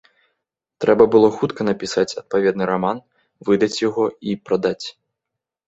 Трэба было хутка напісаць адпаведны раман, выдаць яго і прадаць.